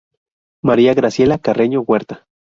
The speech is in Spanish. María Graciela Carreño Huerta.